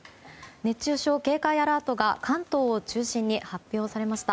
熱中症警戒アラートが関東を中心に発表されました。